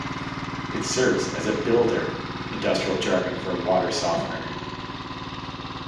It serves as a "builder," industrial jargon for a water softener.